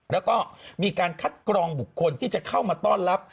แล้วก็มีการคัดกรองบุคคลที่จะเข้ามาต้อนรับ